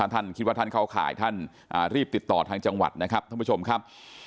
ท่านคิดว่าท่านเข้าข่ายท่านรีบติดต่อทางจังหวัดนะครับท่านผู้ชมครับ